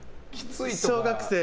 小学生。